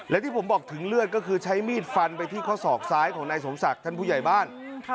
และที่ผมบอกถึงเลือดก็คือใช้มีดฟันไปที่ข้อศอกซ้ายของนายสมศักดิ์ท่านผู้ใหญ่บ้าน